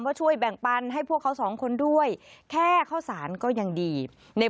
ช่วยแบ่งปันให้พวกเขาสองคนด้วยแค่ข้าวสารก็ยังดีใน